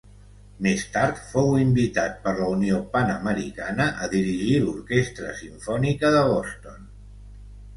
Més tard fou invitat per la Unió Pan-Americana a dirigir l'Orquestra Simfònica de Boston.